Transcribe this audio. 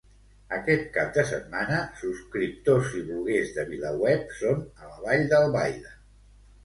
Aquest cap de setmana, subscriptors i bloguers de Vilaweb són a la Vall d'Albaida.